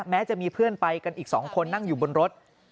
แม้จะมีเพื่อนไปกันอีก๒คนนั่งอยู่บนรถ